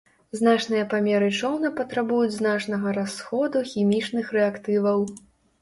Значныя памеры чоўна патрабуюць значнага расходу хімічных рэактываў.